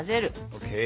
ＯＫ。